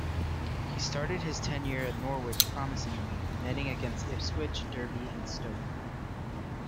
He started his tenure at Norwich promisingly, netting against Ipswich, Derby and Stoke.